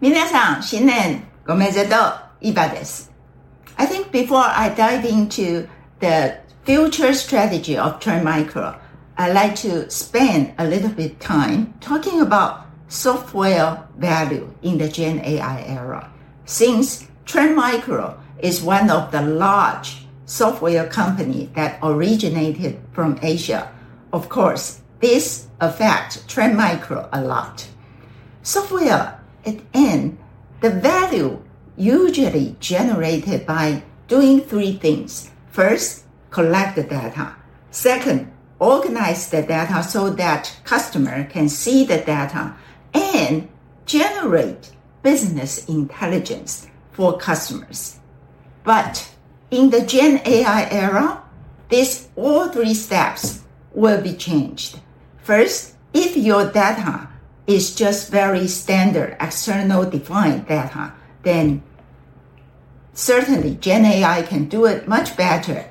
Minasan, shinnen omedetou, Eva des. I think before I dive into the future strategy of Trend Micro, I'd like to spend a little bit time talking about software value in the GenAI era. Since Trend Micro is one of the large software company that originated from Asia, of course, this affect Trend Micro a lot. Software, at end, the value usually generated by doing three things. First, collect the data. Second, organize the data so that customer can see the data and generate business intelligence for customers. In the GenAI era, this all three steps will be changed. First, if your data is just very standard, external defined data, then certainly GenAI can do it much better.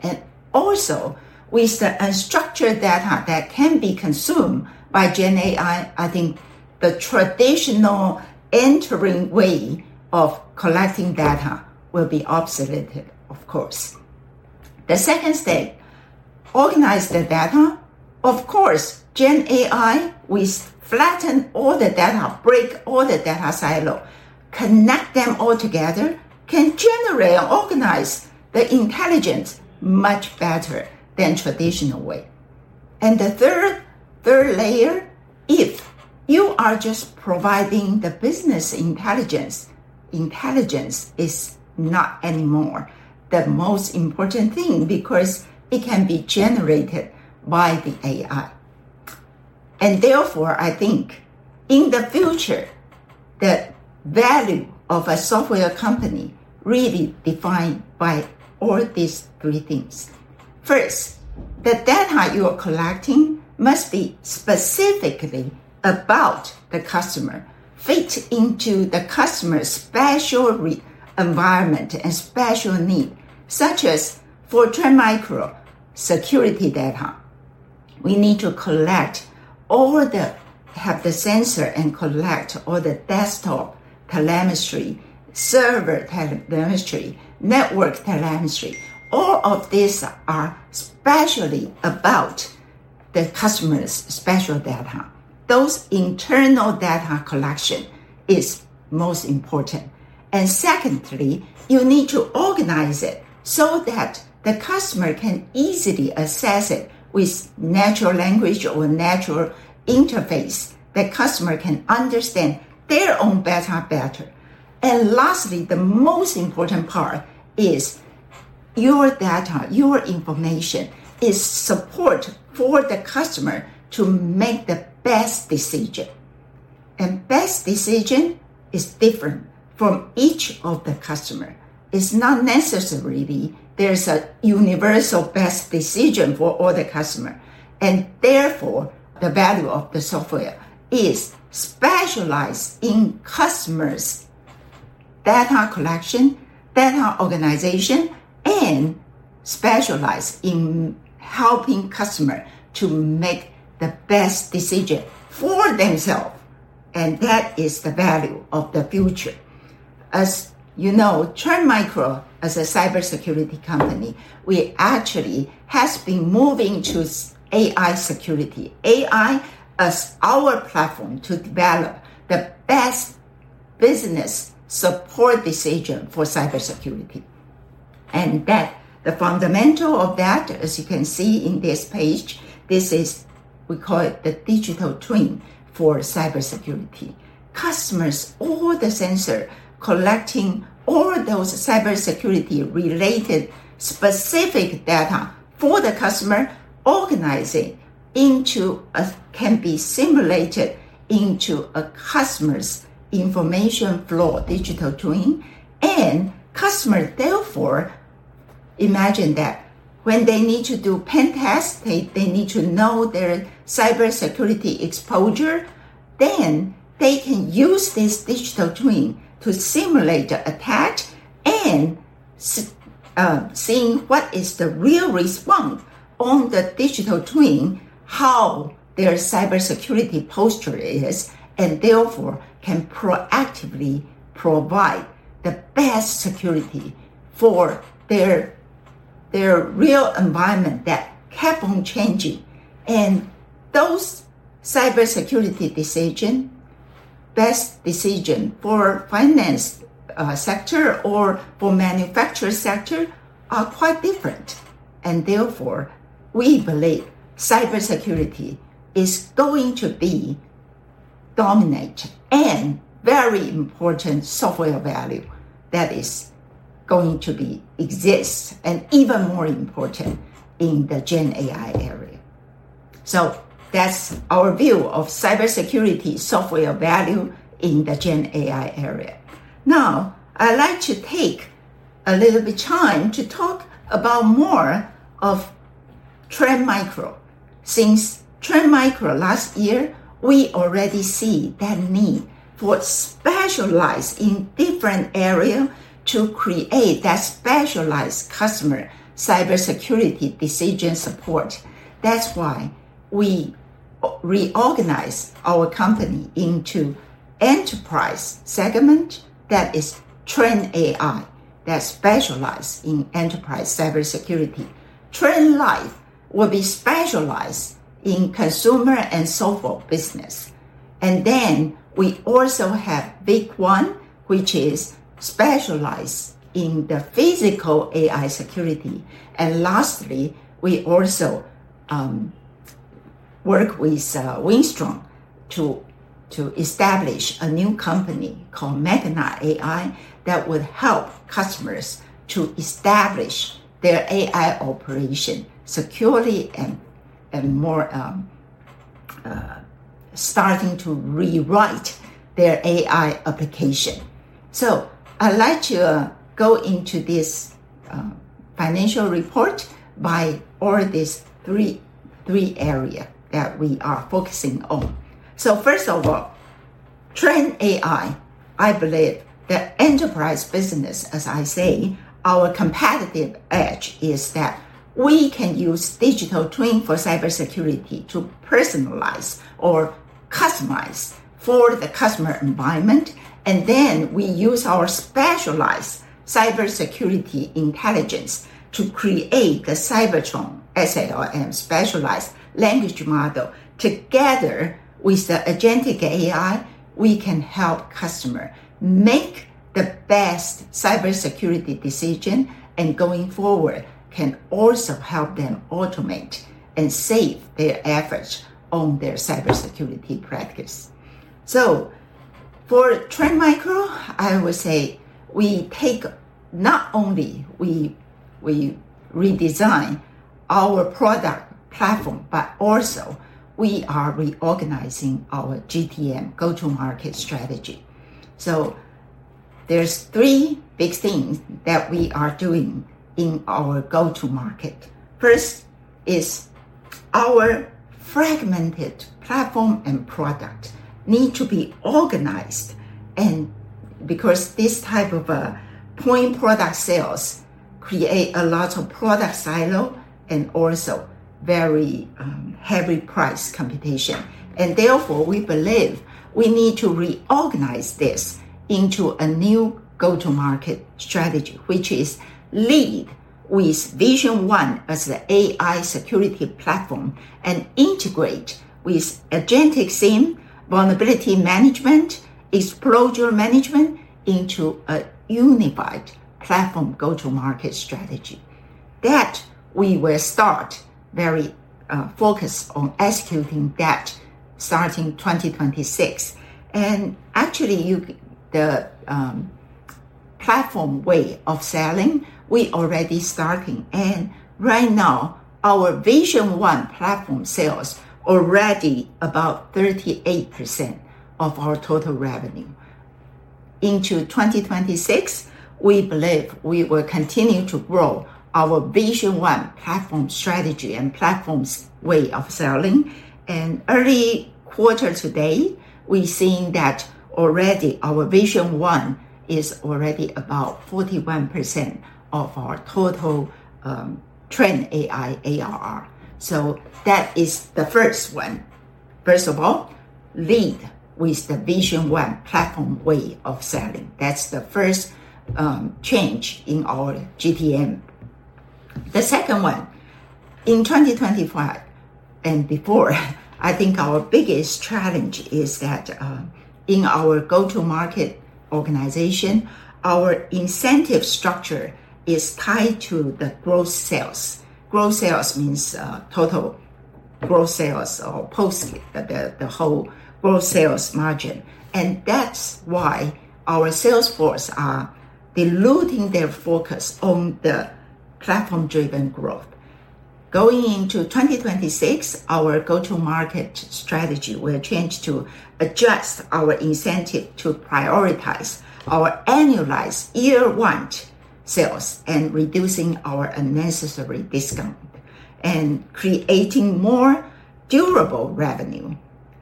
Also, with the unstructured data that can be consumed by GenAI, I think the traditional entering way of collecting data will be obsoleted, of course. The second step, organize the data. Of course, GenAI will flatten all the data, break all the data silo, connect them all together, can generate or organize the intelligence much better than traditional way. The third, third layer, if you are just providing the business intelligence, intelligence is not anymore the most important thing because it can be generated by the AI. Therefore, I think in the future, the value of a software company really defined by all these three things. First, the data you are collecting must be specifically about the customer, fit into the customer's special re- environment and special need, such as for Trend Micro, security data. We need to collect all the... Have the sensor and collect all the desktop telemetry, server telemetry, network telemetry. All of these are specially about the customer's special data. Those internal data collection is most important. And secondly, you need to organize it so that the customer can easily access it with natural language or natural interface. The customer can understand their own data better. And lastly, the most important part is your data, your information, is support for the customer to make the best decision. And best decision is different from each of the customer. It's not necessarily there's a universal best decision for all the customer. And therefore, the value of the software is specialized in customers' data collection, data organization, and specialized in helping customer to make the best decision for themselves, and that is the value of the future. As you know, Trend Micro, as a cybersecurity company, we actually has been moving to AI security. AI as our platform to develop the best business support decision for cybersecurity. And that, the fundamental of that, as you can see in this page, this is. We call it the digital twin for cybersecurity. Customers, all the sensor, collecting all those cybersecurity-related specific data for the customer, organizing into a, can be simulated into a customer's information flow, digital twin. And customer therefore, imagine that when they need to do pen test, they need to know their cybersecurity exposure, then they can use this digital twin to simulate the attack and seeing what is the real response on the digital twin, how their cybersecurity posture is, and therefore can proactively provide the best security for their real environment that keep on changing. And those cybersecurity decision, best decision for finance sector or for manufacturer sector, are quite different. We believe cybersecurity is going to dominate and be a very important software value that is going to exist and be even more important in the GenAI area. That's our view of cybersecurity software value in the GenAI area. Now, I'd like to take a little bit of time to talk more about Trend Micro. Since last year, we already see that need to specialize in different areas to create that specialized customer cybersecurity decision support. That's why we reorganized our company into the enterprise segment, that is Trend AI, that specializes in enterprise cybersecurity. Trend Life will be specialized in consumer and software business. And then we also have VicOne, which is specialized in the physical AI security. And lastly, we also work with Wistron to establish a new company called Magna AI, that would help customers to establish their AI operation securely and more, starting to rewrite their AI application. So I'd like to go into this financial report by all these three areas that we are focusing on. So first of all, Trend AI, I believe that enterprise business, as I say, our competitive edge is that we can use digital twin for cybersecurity to personalize or customize for the customer environment, and then we use our specialized cybersecurity intelligence to create the Cybertron, SLM, specialized language model. Together with the agentic AI, we can help customer make the best cybersecurity decision, and going forward, can also help them automate and save their efforts on their cybersecurity practice. So for Trend Micro, I would say we take, not only we, we redesign our product platform, but also we are reorganizing our GTM, go-to-market strategy. So there's three big things that we are doing in our go-to-market. First, is our fragmented platform and product need to be organized, and because this type of, point product sales create a lot of product silo and also very, heavy price competition. And therefore, we believe we need to reorganize this into a new go-to-market strategy, which is lead with Vision One as the AI security platform, and integrate with agentic SIEM, vulnerability management, exposure management, into a unified platform go-to-market strategy. That we will start very, focused on executing that, starting 2026. And actually, you... The platform way of selling, we already starting, and right now, our Vision One platform sales already about 38% of our total revenue. Into 2026, we believe we will continue to grow our Vision One platform strategy and platforms way of selling. Early quarter today, we've seen that already our Vision One is already about 41% of our total Trend AI ARR. That is the first one. First of all, lead with the Vision One platform way of selling. That's the first change in our GTM. The second one, in 2025, and before, I think our biggest challenge is that in our go-to-market organization, our incentive structure is tied to the growth sales. Growth sales means total growth sales or posting the whole growth sales margin, and that's why our sales force are diluting their focus on the platform-driven growth. Going into 2026, our go-to-market strategy will change to adjust our incentive to prioritize our annualized year one sales, and reducing our unnecessary discount, and creating more durable revenue,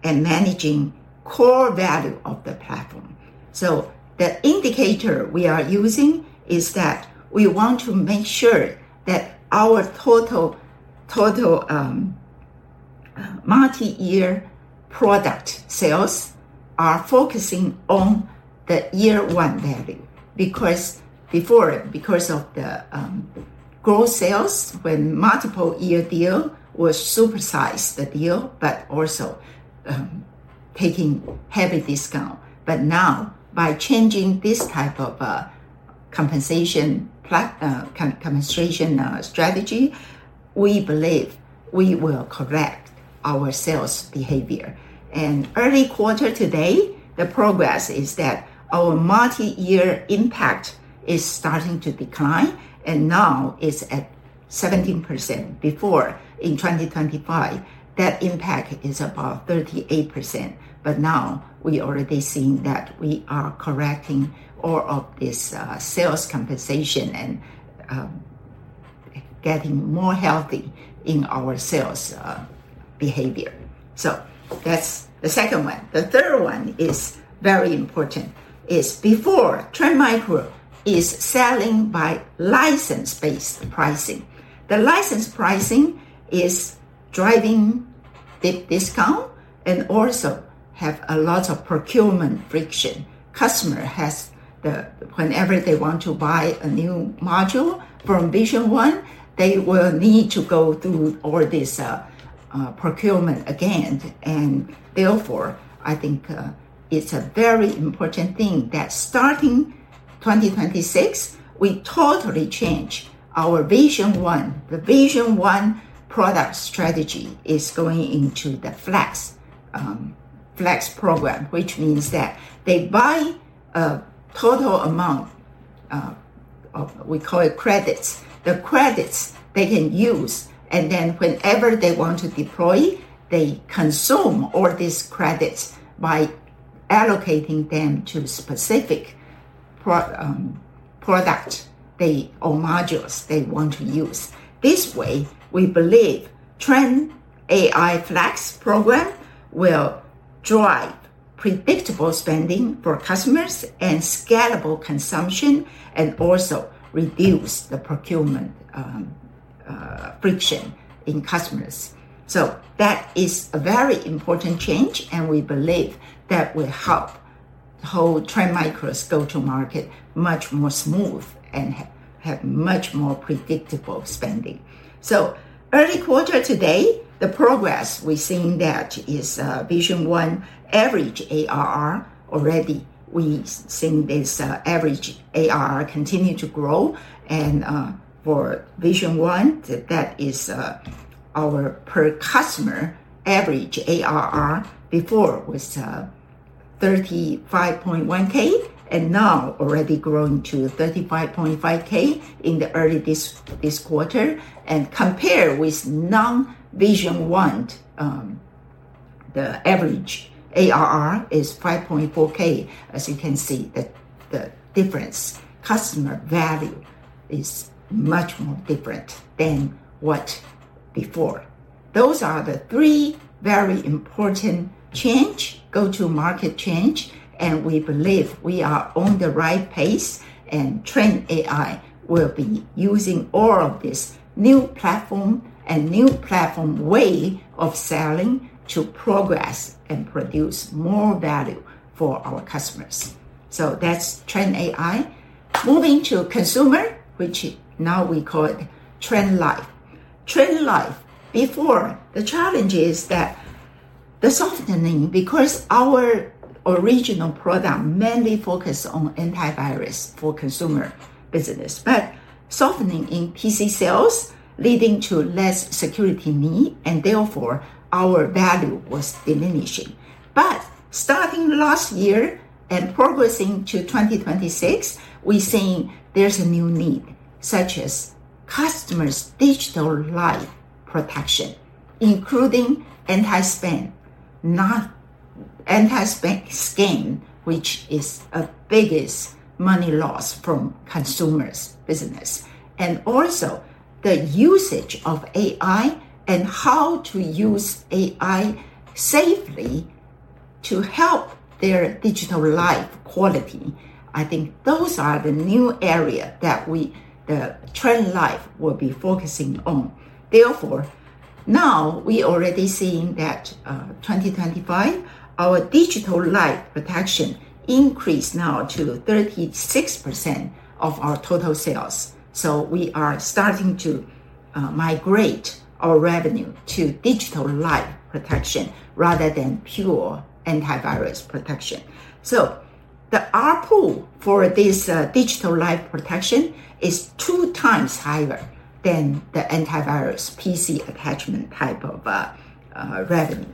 and managing core value of the platform. So the indicator we are using is that we want to make sure that our total multi-year product sales are focusing on the year one value, because before, because of the growth sales, when multiple year deal was supersized the deal, but also taking heavy discount. But now, by changing this type of compensation strategy, we believe we will correct our sales behavior. Early quarter today, the progress is that our multi-year impact is starting to decline, and now is at 17%. Before, in 2025, that impact is about 38%, but now we already seeing that we are correcting all of this, sales compensation and, getting more healthy in our sales, behavior. That's the second one. The third one is very important, is before Trend Micro is selling by license-based pricing. The license pricing is driving the discount, and also have a lot of procurement friction. Customer has the-- whenever they want to buy a new module from Vision One, they will need to go through all this, procurement again. And therefore, I think, it's a very important thing that starting 2026, we totally change our Vision One. The Vision One product strategy is going into the Flex program, which means that they buy a total amount of, we call it credits. The credits they can use, and then whenever they want to deploy, they consume all these credits by allocating them to specific product they, or modules they want to use. This way, we believe Trend AI Flex program will drive predictable spending for customers and scalable consumption, and also reduce the procurement friction in customers. That is a very important change, and we believe that will help the whole Trend Micro's go-to-market much more smooth and have much more predictable spending. Early quarter today, the progress we've seen that is, Vision One average ARR, already we've seen this average ARR continue to grow. For Vision One, that is, our per customer average ARR before was $35,100, and now already grown to $35,500 in early this quarter. Compare with non-Vision One, the average ARR is $5,400. As you can see, the difference, customer value is much more different than what before. Those are the three very important change, go-to-market change, and we believe we are on the right pace, and Trend AI will be using all of this new platform and new platform way of selling to progress and produce more value for our customers. That's Trend AI. Moving to consumer, which now we call it Trend Life. Trend Life, before, the challenge is that the softening, because our original product mainly focused on antivirus for consumer business, but softening in PC sales, leading to less security need, and therefore, our value was diminishing. But starting last year and progressing to 2026, we've seen there's a new need, such as customers' digital life protection, including anti-spam, not anti-scam, which is a biggest money loss from consumers' business. And also the usage of AI and how to use AI safely to help their digital life quality. I think those are the new area that we, Trend Life will be focusing on. Therefore, now we already seeing that, 2025, our digital life protection increased now to 36% of our total sales. So we are starting to, migrate our revenue to digital life protection rather than pure antivirus protection. The ARPU for this digital life protection is 2 times higher than the antivirus PC attachment type of revenue.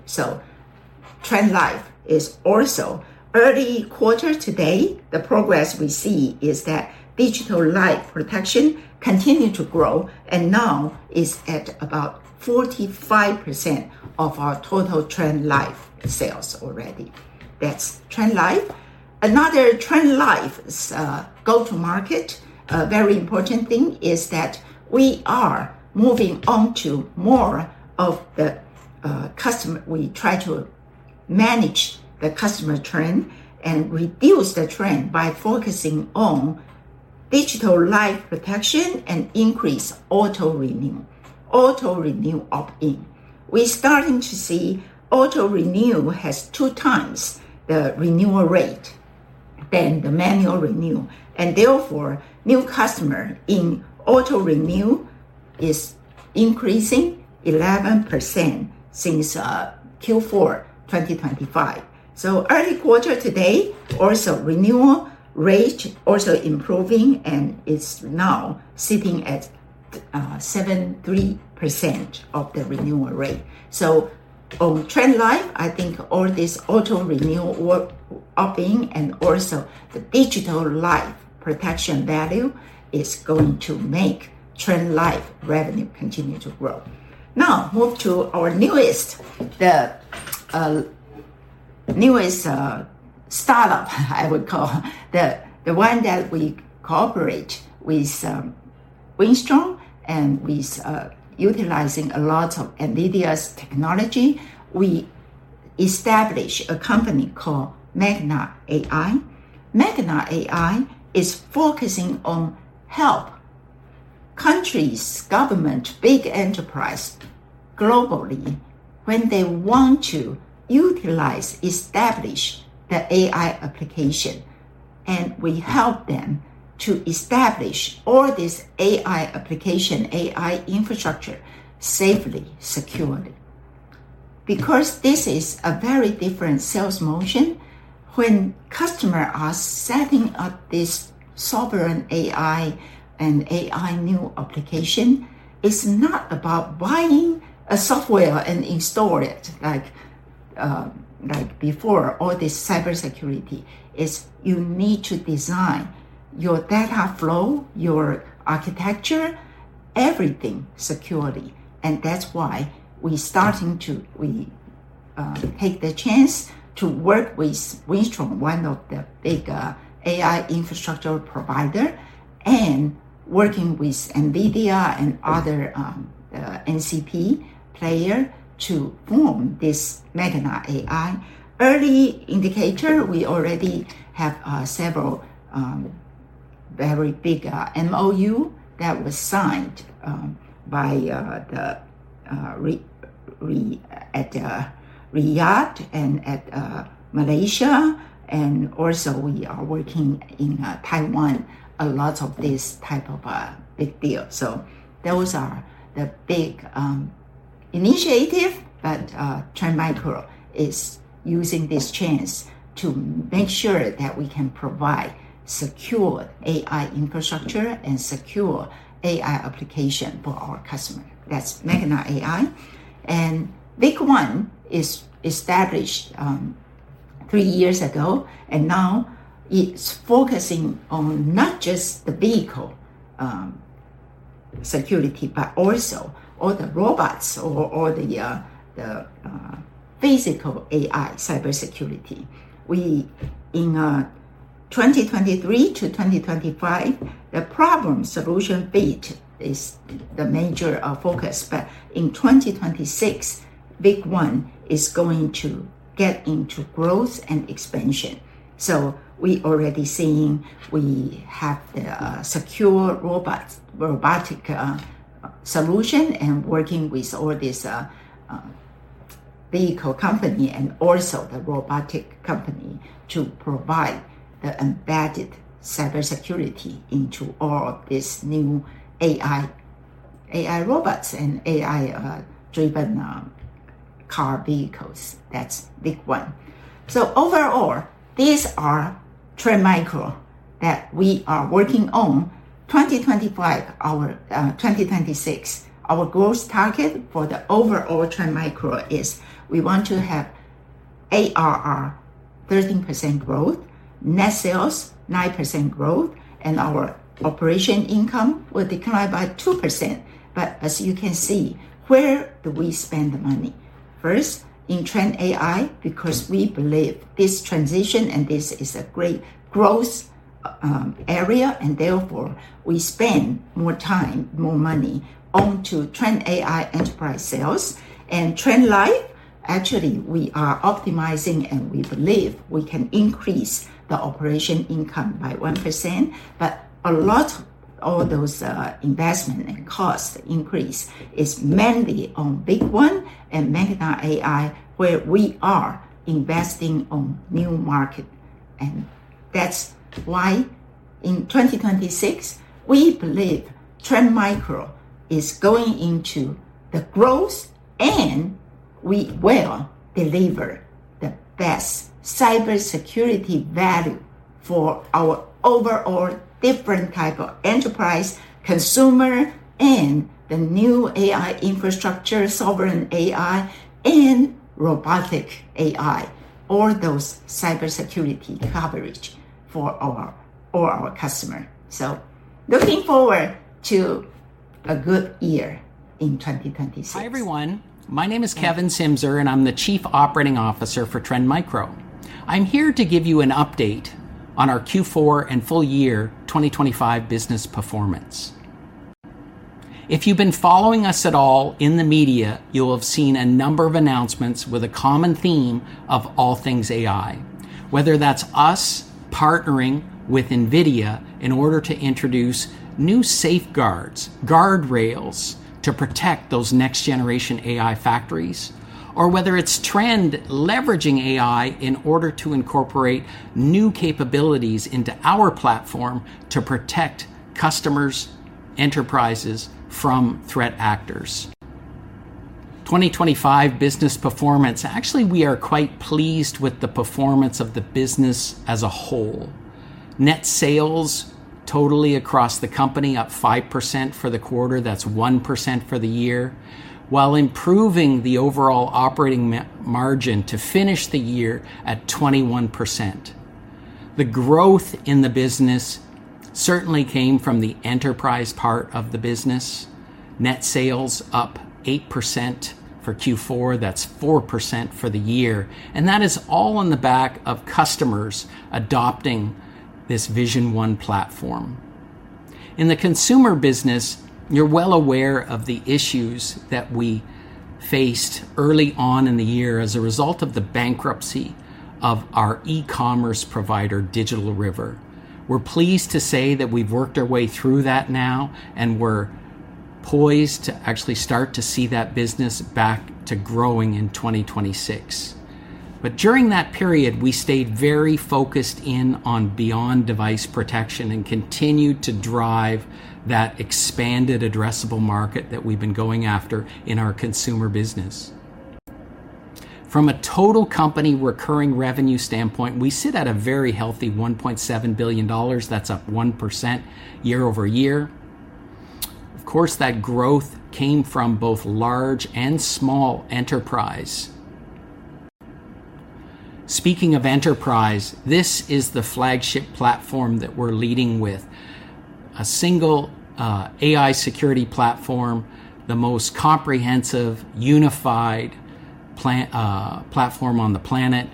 Trend Life is also early quarter today, the progress we see is that digital life protection continues to grow, and now is at about 45% of our total Trend Life sales already. That's Trend Life. Another Trend Life go-to-market very important thing is that we are moving on to more of the customer. We try to manage the customer trend and reduce the trend by focusing on digital life protection and increase auto-renew, auto-renew opt-in. We're starting to see auto-renew has 2 times the renewal rate than the manual renewal, and therefore, new customer in auto-renew is increasing 11% since Q4 2025. So early quarter today, also renewal rate also improving and is now sitting at, 73% of the renewal rate. So on Trend Life, I think all this auto-renewal work opt-in and also the digital life protection value is going to make Trend Life revenue continue to grow. Now, move to our newest, the newest startup I would call, the one that we cooperate with, Wistron and with, utilizing a lot of NVIDIA's technology, we establish a company called Magna AI. Magna AI is focusing on help countries, government, big enterprise globally when they want to utilize, establish the AI application, and we help them to establish all this AI application, AI infrastructure, safely, securely. Because this is a very different sales motion, when customer are setting up this sovereign AI and AI new application, it's not about buying a software and install it, like, like before, all this cybersecurity. It's you need to design your data flow, your architecture, everything security. That's why we starting to- we take the chance to work with Wistron, one of the big, AI infrastructure provider, and working with NVIDIA and other NCP player to form this Magna AI. Early indicator, we already have several, very big, MOU that was signed, by the, at, Riyadh and at, Malaysia, and also we are working in, Taiwan, a lot of this type of, big deal. Those are the big initiative, but Trend Micro is using this chance to make sure that we can provide secure AI infrastructure and secure AI application for our customer. That's Magna AI. VicOne is established three years ago, and now it's focusing on not just the vehicle security, but also all the robots or the physical AI cybersecurity. We, in 2023 to 2025, the problem solution bit is the major focus, but in 2026, VicOne is going to get into growth and expansion. We already seeing we have the secure robots, robotic solution and working with all this vehicle company and also the robotic company to provide the embedded cybersecurity into all of this new AI, AI robots and AI driven car vehicles. That's VicOne. So overall, these are Trend Micro that we are working on. 2025, our, 2026, our growth target for the overall Trend Micro is we want to have ARR, 13% growth, net sales, 9% growth, and our operation income will decline by 2%. But as you can see, where do we spend the money? First, in Trend AI, because we believe this transition and this is a great growth, area, and therefore, we spend more time, more money on to Trend AI enterprise sales. And Trend Life, actually, we are optimizing, and we believe we can increase the operation income by 1%, but a lot of those, investment and cost increase is mainly on VicOne and Magna AI, where we are investing on new market. And that's why in 2026, we believe Trend Micro is going into the growth, and we will deliver the best cybersecurity value for our overall different type of enterprise, consumer, and the new AI infrastructure, Sovereign AI, and robotic AI, all those cybersecurity coverage for our, all our customer. So looking forward to a good year in 2026. Hi, everyone. My name is Kevin Simzer, and I'm the Chief Operating Officer for Trend Micro. I'm here to give you an update on our Q4 and full year 2025 business performance. If you've been following us at all in the media, you'll have seen a number of announcements with a common theme of all things AI, whether that's us partnering with NVIDIA in order to introduce new safeguards, guardrails, to protect those next-generation AI factories, or whether it's Trend leveraging AI in order to incorporate new capabilities into our platform to protect customers, enterprises from threat actors. 2025 business performance, actually, we are quite pleased with the performance of the business as a whole. Net sales totaled across the company, up 5% for the quarter, that's 1% for the year, while improving the overall operating margin to finish the year at 21%. The growth in the business certainly came from the enterprise part of the business. Net sales up 8% for Q4, that's 4% for the year, and that is all on the back of customers adopting this Vision One platform. In the consumer business, you're well aware of the issues that we faced early on in the year as a result of the bankruptcy of our e-commerce provider, Digital River. We're pleased to say that we've worked our way through that now, and we're poised to actually start to see that business back to growing in 2026. But during that period, we stayed very focused in on beyond device protection and continued to drive that expanded addressable market that we've been going after in our consumer business. From a total company recurring revenue standpoint, we sit at a very healthy $1.7 billion. That's up 1% year-over-year. Of course, that growth came from both large and small enterprise. Speaking of enterprise, this is the flagship platform that we're leading with, a single AI security platform, the most comprehensive, unified platform on the planet.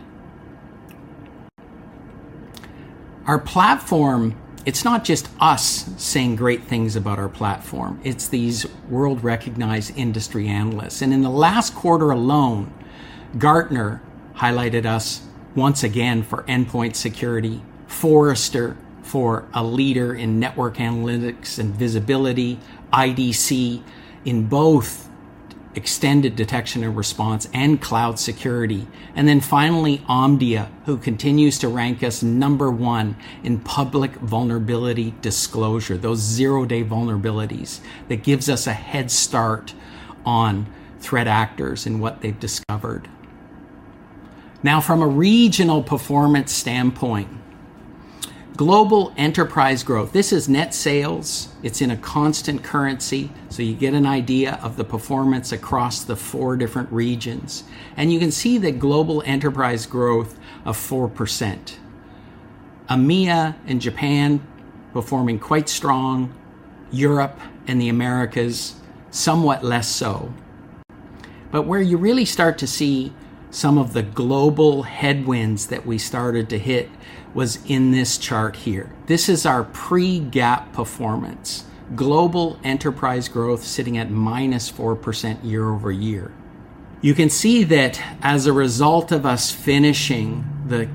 Our platform, it's not just us saying great things about our platform. It's these world-recognized industry analysts, and in the last quarter alone, Gartner highlighted us once again for endpoint security, Forrester for a leader in network analytics and visibility, IDC in both extended detection and response and cloud security, and then finally, Omdia, who continues to rank us number one in public vulnerability disclosure, those zero-day vulnerabilities that gives us a head start on threat actors and what they've discovered. Now, from a regional performance standpoint, global enterprise growth, this is net sales. It's in a constant currency, so you get an idea of the performance across the four different regions, and you can see the global enterprise growth of 4%. EMEA and Japan performing quite strong, Europe and the Americas, somewhat less so. Where you really start to see some of the global headwinds that we started to hit was in this chart here. This is our pre-GAAP performance, global enterprise growth sitting at -4% year-over-year. You can see that as a result of us finishing the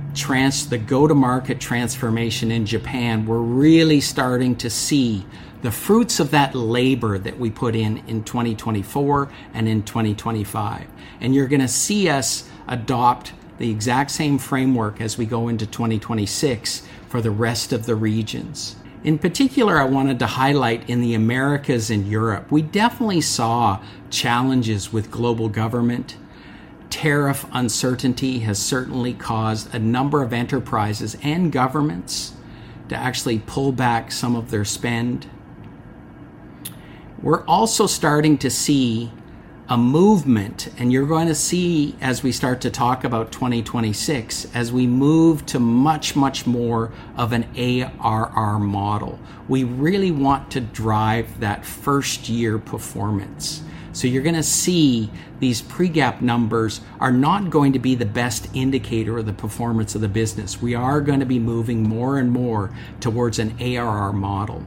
go-to-market transformation in Japan, we're really starting to see the fruits of that labor that we put in in 2024 and in 2025, and you're going to see us adopt the exact same framework as we go into 2026 for the rest of the regions. In particular, I wanted to highlight in the Americas and Europe, we definitely saw challenges with global government. Tariff uncertainty has certainly caused a number of enterprises and governments to actually pull back some of their spend. We're also starting to see a movement, and you're going to see as we start to talk about 2026, as we move to much, much more of an ARR model, we really want to drive that first-year performance. So you're going to see these pre-GAAP numbers are not going to be the best indicator of the performance of the business. We are going to be moving more and more towards an ARR model.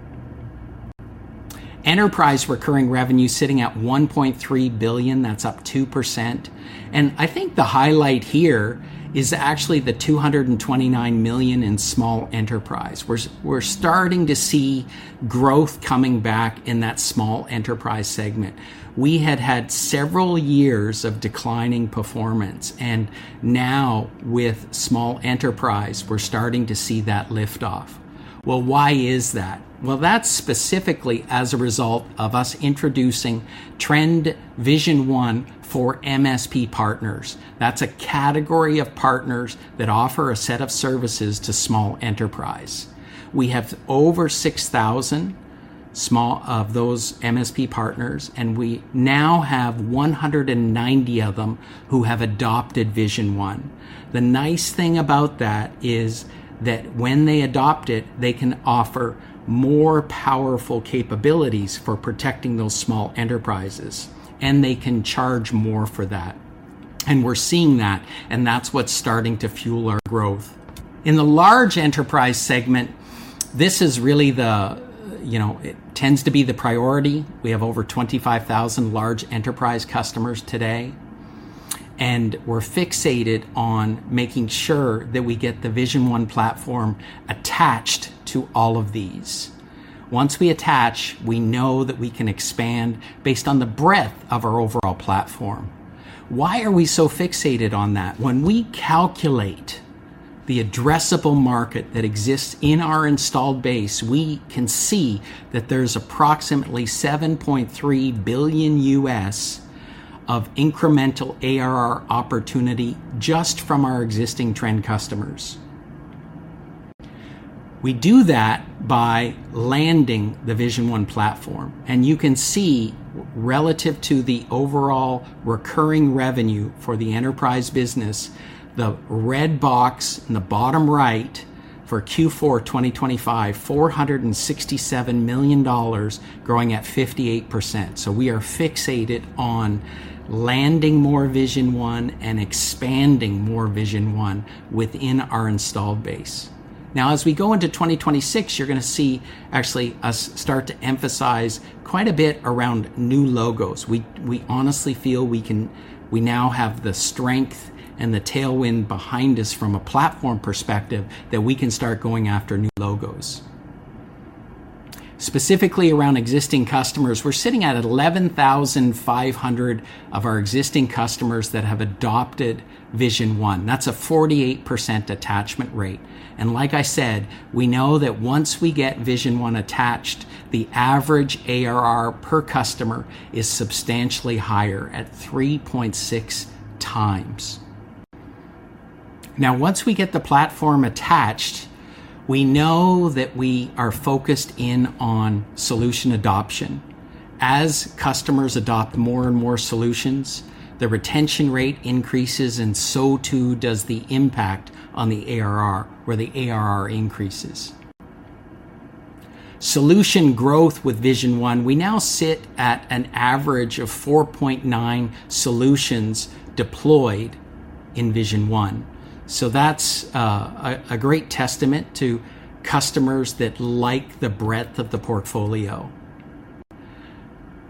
Enterprise recurring revenue sitting at $1.3 billion, that's up 2%. And I think the highlight here is actually the $229 million in small enterprise. We're, we're starting to see growth coming back in that small enterprise segment. We had had several years of declining performance, and now with small enterprise, we're starting to see that lift off. Well, why is that? Well, that's specifically as a result of us introducing Trend Vision One for MSP partners. That's a category of partners that offer a set of services to small enterprise. We have over 6,000 of those MSP partners, and we now have 190 of them who have adopted Vision One. The nice thing about that is that when they adopt it, they can offer more powerful capabilities for protecting those small enterprises, and they can charge more for that. And we're seeing that, and that's what's starting to fuel our growth. In the large enterprise segment, this is really the, you know, it tends to be the priority. We have over 25,000 large enterprise customers today, and we're fixated on making sure that we get the Vision One platform attached to all of these. Once we attach, we know that we can expand based on the breadth of our overall platform. Why are we so fixated on that? When we calculate the addressable market that exists in our installed base, we can see that there's approximately $7.3 billion of incremental ARR opportunity just from our existing Trend customers. We do that by landing the Vision One platform, and you can see relative to the overall recurring revenue for the enterprise business, the red box in the bottom right for Q4 2025, $467 million, growing at 58%. So we are fixated on landing more Vision One and expanding more Vision One within our installed base. Now, as we go into 2026, you're going to see actually us start to emphasize quite a bit around new logos. We honestly feel we can now have the strength and the tailwind behind us from a platform perspective, that we can start going after new logos. Specifically around existing customers, we're sitting at 11,500 of our existing customers that have adopted Vision One. That's a 48% attachment rate, and like I said, we know that once we get Vision One attached, the average ARR per customer is substantially higher at 3.6 times. Now, once we get the platform attached, we know that we are focused in on solution adoption. As customers adopt more and more solutions, the retention rate increases, and so too does the impact on the ARR, where the ARR increases. Solution growth with Vision One, we now sit at an average of 4.9 solutions deployed in Vision One. So that's a great testament to customers that like the breadth of the portfolio.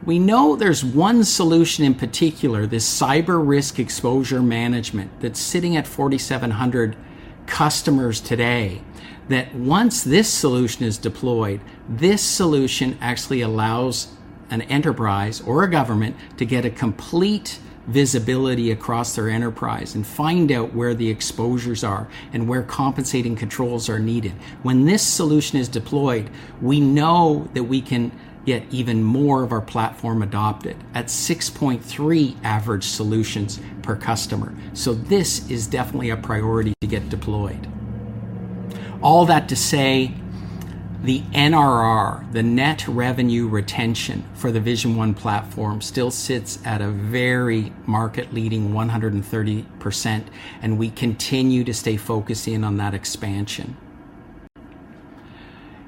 We know there's one solution in particular, this Cyber Risk Exposure Management, that's sitting at 4,700 customers today, that once this solution is deployed, this solution actually allows an enterprise or a government to get a complete visibility across their enterprise and find out where the exposures are and where compensating controls are needed. When this solution is deployed, we know that we can get even more of our platform adopted at 6.3 average solutions per customer. So this is definitely a priority to get deployed. All that to say, the NRR, the net revenue retention for the Vision One platform, still sits at a very market-leading 130%, and we continue to stay focused in on that expansion.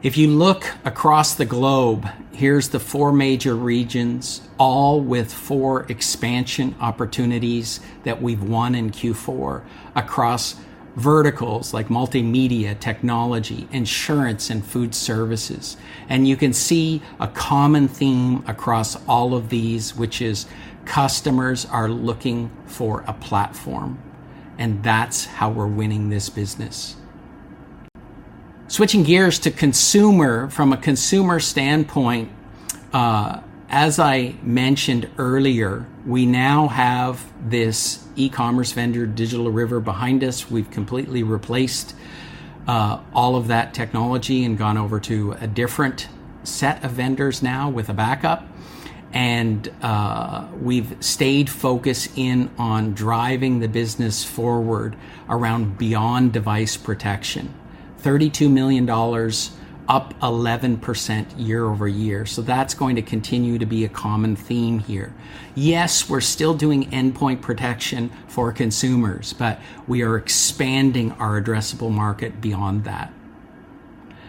If you look across the globe, here's the four major regions, all with four expansion opportunities that we've won in Q4, across verticals like multimedia, technology, insurance, and food services. And you can see a common theme across all of these, which is customers are looking for a platform, and that's how we're winning this business. Switching gears to consumer, from a consumer standpoint, as I mentioned earlier, we now have this e-commerce vendor, Digital River, behind us. We've completely replaced all of that technology and gone over to a different set of vendors now with a backup, and we've stayed focused in on driving the business forward around beyond device protection. $32 million, up 11% year-over-year, so that's going to continue to be a common theme here. Yes, we're still doing endpoint protection for consumers, but we are expanding our addressable market beyond that.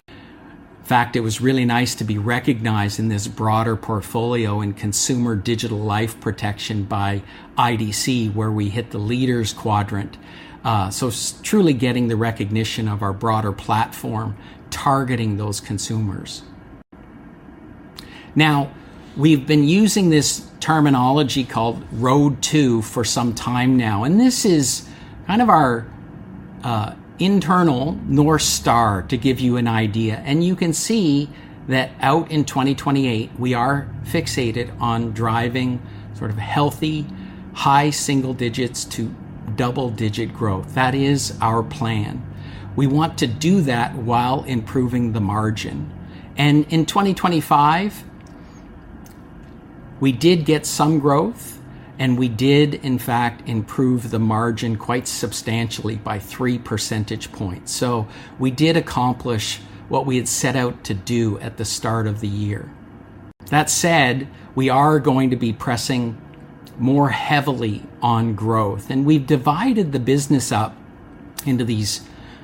In fact, it was really nice to be recognized in this broader portfolio in consumer digital life protection by IDC, where we hit the leaders quadrant. So, truly getting the recognition of our broader platform, targeting those consumers. Now, we've been using this terminology called Road to for some time now, and this is kind of our internal North Star, to give you an idea. You can see that out in 2028, we are fixated on driving sort of healthy, high single digits to double-digit growth. That is our plan. We want to do that while improving the margin. In 2025, we did get some growth, and we did, in fact, improve the margin quite substantially by 3 percentage points. We did accomplish what we had set out to do at the start of the year. That said, we are going to be pressing more heavily on growth, and we've divided the business up into these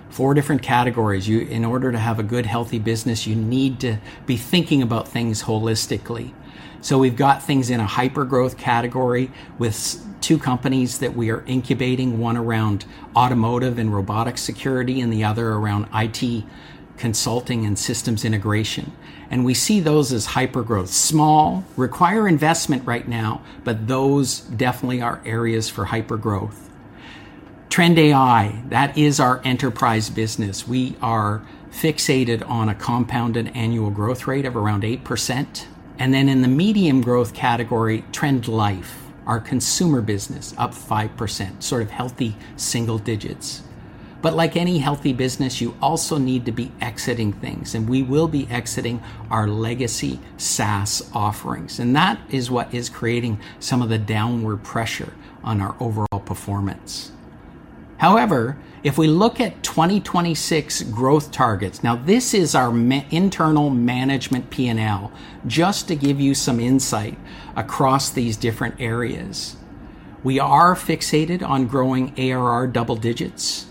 four different categories. You... In order to have a good, healthy business, you need to be thinking about things holistically. We've got things in a hyper-growth category with two companies that we are incubating, one around automotive and robotic security and the other around IT consulting and systems integration. We see those as hyper-growth. Small, require investment right now, but those definitely are areas for hyper-growth. Trend AI, that is our enterprise business. We are fixated on a compounded annual growth rate of around 8%. In the medium growth category, Trend Life, our consumer business, up 5%, sort of healthy single digits. But like any healthy business, you also need to be exiting things, and we will be exiting our legacy SaaS offerings, and that is what is creating some of the downward pressure on our overall performance. However, if we look at 2026 growth targets, now this is our internal management P&L, just to give you some insight across these different areas. We are fixated on growing ARR double digits,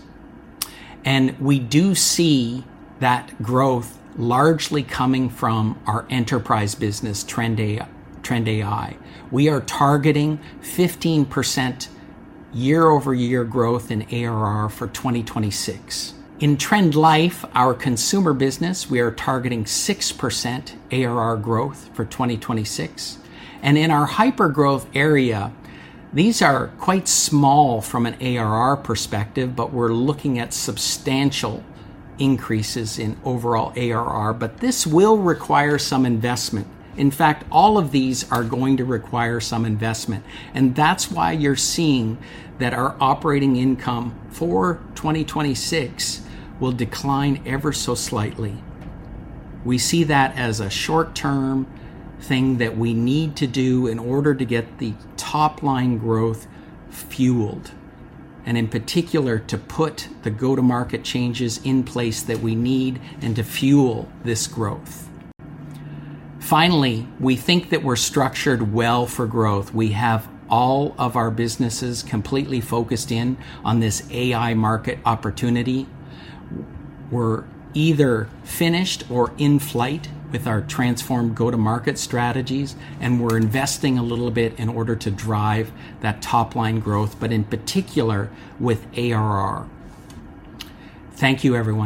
and we do see that growth largely coming from our enterprise business, Trend AI, Trend AI. We are targeting 15% year-over-year growth in ARR for 2026. In Trend Life, our consumer business, we are targeting 6% ARR growth for 2026. And in our hyper-growth area, these are quite small from an ARR perspective, but we're looking at substantial increases in overall ARR, but this will require some investment. In fact, all of these are going to require some investment, and that's why you're seeing that our operating income for 2026 will decline ever so slightly. We see that as a short-term thing that we need to do in order to get the top-line growth fueled, and in particular, to put the go-to-market changes in place that we need and to fuel this growth. Finally, we think that we're structured well for growth. We have all of our businesses completely focused in on this AI market opportunity. We're either finished or in flight with our transformed go-to-market strategies, and we're investing a little bit in order to drive that top-line growth, but in particular, with ARR. Thank you, everyone.